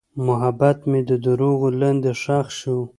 محبت مې د دروغو لاندې ښخ شو.